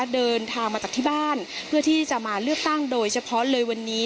เดินทางมาจากที่บ้านเพื่อที่จะมาเลือกตั้งโดยเฉพาะเลยวันนี้